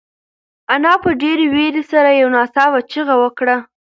انا په ډېرې وېرې سره یو ناڅاپه چیغه کړه.